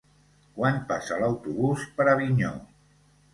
Quan passa l'autobús per Avinyó?